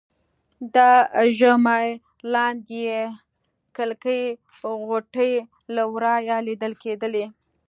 د ژامې لاندې يې کلکې غوټې له ورایه لیدل کېدلې